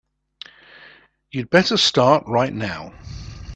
You'd better start right now.